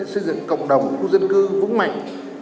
xây dựng cộng đồng khu dân cư vững mạnh